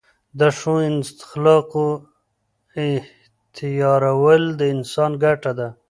د ښو اخلاقو احتیارول د انسان ګټه ده.